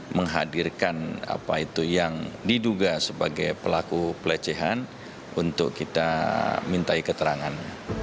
menghadirkan apa itu yang diduga sebagai pelaku pelecehan untuk kita minta keterangan